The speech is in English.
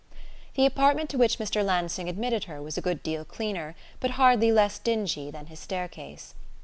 The apartment to which Mr. Lansing admitted her was a good deal cleaner, but hardly less dingy, than his staircase.